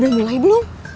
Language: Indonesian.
udah mulai belum